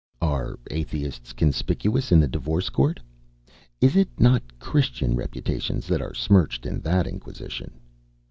Are Atheists conspicuous in the Divorce Court? Is it not Christian reputations that are smirched in that Inquisition?